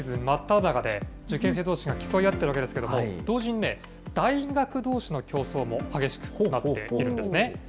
真っただ中で、受験生どうしが競い合ってるわけですけれども、同時に大学どうしの競争も激しくなっているんですね。